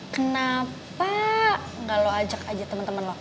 kenapa gak lo ajak aja temen temen lo